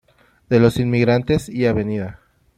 De los Inmigrantes y Av.